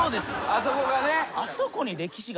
あそこがね。